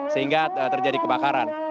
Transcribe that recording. sehingga terjadi kebakaran